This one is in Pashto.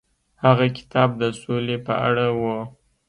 هغه کتاب د سولې په اړه و.